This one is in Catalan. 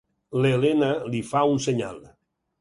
L'Elena li fa un senyal.